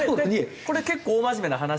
これ結構大真面目な話で。